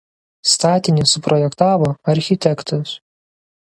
Statinį suprojektavo arch.